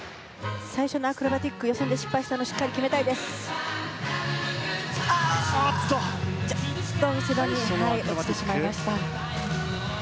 最初のアクロバティック予選で失敗したのをしっかり決めたいですがちょっとミスで落ちてしまいました。